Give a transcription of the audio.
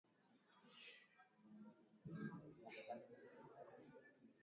tume ambayo itaikombowa sayee